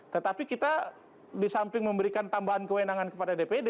tetapi kita disamping memberikan tambahan kewenangan kepada dpd